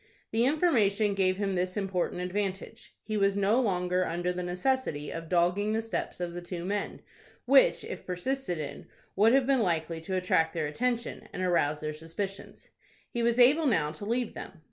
The information gave him this important advantage: He was no longer under the necessity of dogging the steps of the two men, which, if persisted in, would have been likely to attract their attention and arouse their suspicions. He was able now to leave them.